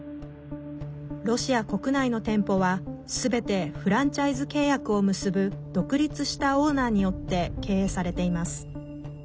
ロシア国内の店舗はすべてフランチャイズ契約を結ぶ独立したオーナーによって経営されています。